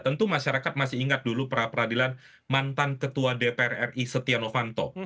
tentu masyarakat masih ingat dulu peradilan mantan ketua dpr ri setia novanto